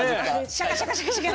シャカシャカシャカシャカ。